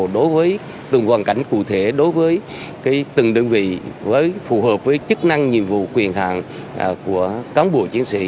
đối với từng hoàn cảnh cụ thể đối với từng đơn vị với phù hợp với chức năng nhiệm vụ quyền hạng của cán bộ chiến sĩ